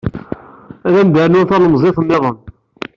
Ad am-d-rnun talemmiẓt niḍen.